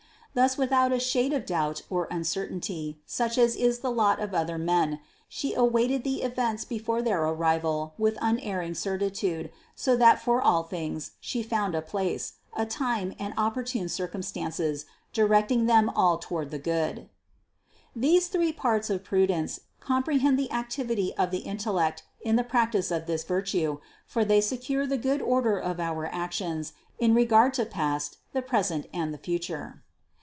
Thus without a shade of doubt or uncertainty, such as is the lot of other men, She awaited the events before their arrival with unerring certitude, so that for all things She found a place, a time and opportune circumstances directing them all toward the Good. 541. These three parts of prudence comprehend the activity of the intellect in the practice of this virtue, for they secure the good order of our actions in regard to past, the present and the future.